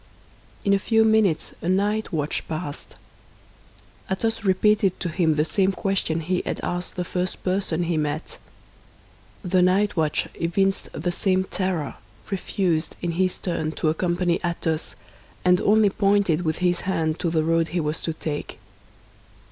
In a few minutes a night watch passed. Athos repeated to him the same question he had asked the first person he met. The night watch evinced the same terror, refused, in his turn, to accompany Athos, and only pointed with his hand to the road he was to take.